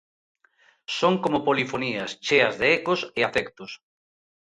Son como polifonías cheas de ecos e afectos.